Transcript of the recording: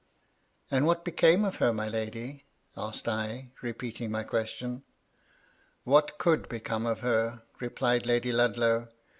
"And what became of her, my lady?" asked I, re peating my question. "What could become of her?" replied Lady Lud low.